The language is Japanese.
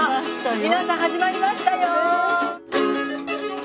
皆さん始まりましたよ！